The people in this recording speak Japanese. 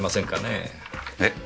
えっ？